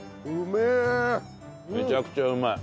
めちゃくちゃうまい。